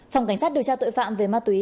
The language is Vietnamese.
phòng cảnh sát điều tra tội phạm về ma túy